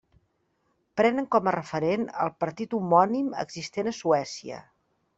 Prenen com a referent el partit homònim existent a Suècia.